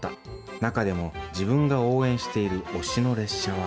中でも自分が応援している推しの列車は。